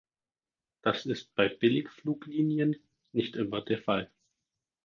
Das ist bei Billigfluglinien nicht immer der Fall.